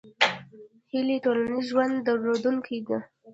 هیلۍ د ټولنیز ژوند درلودونکې ده